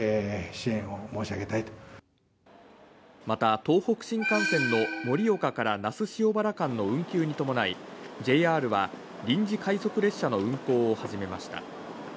また、東北新幹線の盛岡から那須塩原間の運休に伴い、ＪＲは臨時快速列車の運行を始めました。